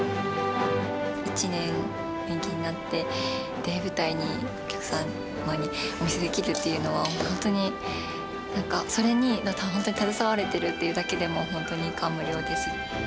１年延期になって、舞台にお客様にお見せできるっていうのは、本当にそれに携われてるというだけでも、本当に感無量です。